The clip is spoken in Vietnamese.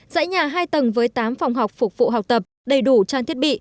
dãy nhà hai tầng với tám phòng học phục vụ học tập đầy đủ trang thiết bị